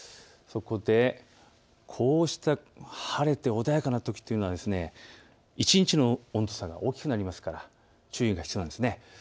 そこでこうした晴れて穏やかなときというのは一日の温度差が大きくなりますから注意が必要です。